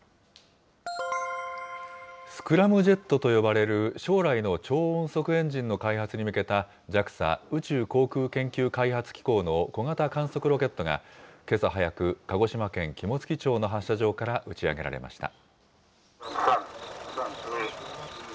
スクラムジェットと呼ばれる将来の超音速エンジンの開発に向けた、ＪＡＸＡ・宇宙航空研究開発機構の小型観測ロケットが、けさ早く、鹿児島県肝付町の発射場から打ち上げられました。